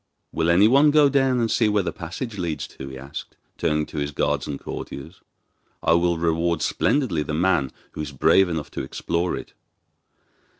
'Will anyone go down and see where the passage leads to?' he asked, turning to his guards and courtiers. 'I will reward splendidly the man who is brave enough to explore it.